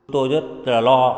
tôi rất là lo